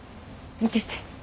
見てて。